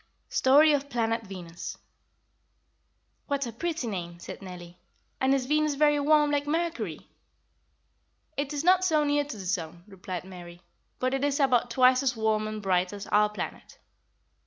STORY OF PLANET VENUS. "What a pretty name," said Nellie; "and is Venus very warm, like Mercury?" "It is not so near to the sun," replied Mary, "but it is about twice as warm and bright as our planet.